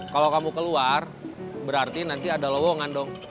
kalau kamu keluar berarti nanti ada lowongan dong